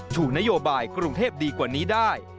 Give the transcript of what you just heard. ชูนโยบายกรุงเทพดีกว่านี้ได้